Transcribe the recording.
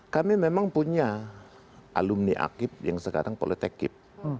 kami memang punya alumni akib yang sekarang politekib